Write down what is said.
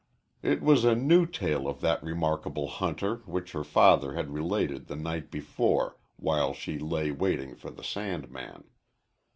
It was a new tale of that remarkable hunter which her father had related the night before while she lay waiting for the sandman.